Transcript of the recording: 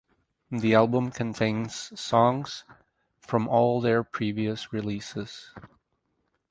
The album contains songs from all their previous releases.